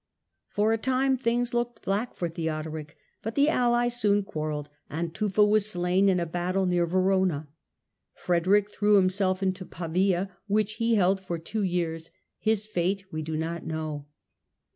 For a time things looked black for Theodoric, but the allies soon quarrelled, and Tufa was slain in a battle near Verona. Frederick threw himself into Pavia, which he held for two years. His fate we do not know.